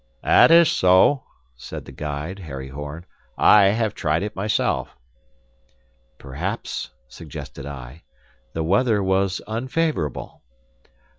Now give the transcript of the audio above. "That is so," said the guide, Harry Horn. "I have tried it myself." "Perhaps," suggested I, "the weather was unfavorable."